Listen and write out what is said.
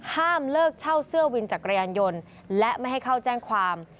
ห้ามเลิกเช่าเสื้อวินจักรยานยนต์และไม่ให้เข้าแจ้งความ